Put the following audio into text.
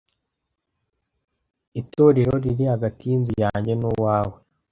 Itorero riri hagati yinzu yanjye nuwawe.